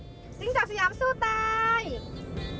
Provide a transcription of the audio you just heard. สิงจักรสยามสู้ตาย